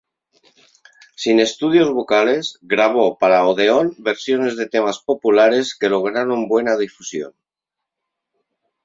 Sin estudios vocales, grabó para Odeón versiones de temas populares que lograron buena difusión.